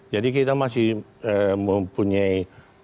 jadi kita masih mempunyai